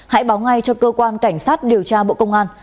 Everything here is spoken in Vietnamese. hãy báo ngay cho cơ quan cảnh sát điều tra bộ công an